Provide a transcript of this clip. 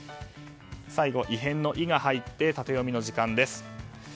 最後、異変の「イ」が入ってタテヨミの時間です。